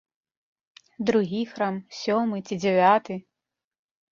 Другі храм, сёмы ці дзявяты?